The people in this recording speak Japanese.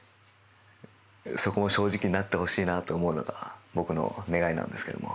そこも正直になってほしいなと思うのが僕の願いなんですけども。